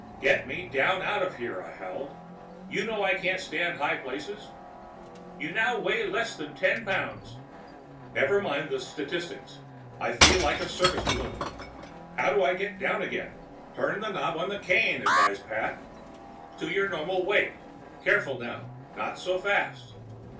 "Get me down out of here!" I howled. "You know I can't stand high places!" "You now weigh less than ten pounds—" "Never mind the statistics. I feel like a circus balloon. How do I get down again?" "Turn the knob on the cane," advised Pat, "to your normal weight. Careful, now! Not so fast!"